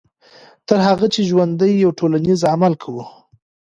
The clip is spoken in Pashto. تر هغه چې ژوندي یو ټولنیز عمل کوو.